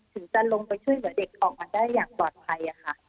ถึงจะลงไปช่วยเหลือเด็กออกมาได้อย่างปลอดภัยค่ะ